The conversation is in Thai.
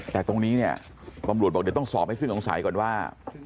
แต่ตรงนี้ปำรวจบอกเดี๋ยวต้องสอบให้ซึ่งต้องใส่ก่อนว่า